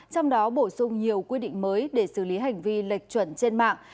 trong đó bổ sung nhiều quy định mới để xử lý hành vi lệch chuẩn trên mạng